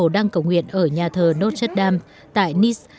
một bộ đăng cầu nguyện ở nhà thờ notre dame tại nice